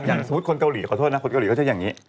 อย่างสมมุติคนเกาหลีเขาจะอย่างนี้